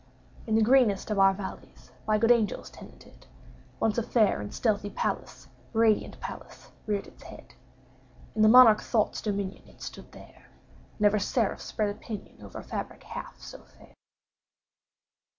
In the greenest of our valleys, By good angels tenanted, Once a fair and stately palace— Radiant palace—reared its head. In the monarch Thought's dominion— It stood there! Never seraph spread a pinion Over fabric half so fair.